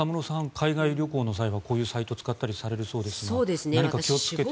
海外旅行の際はこういうサイトを使ったりされるそうですが何か気をつけていることは。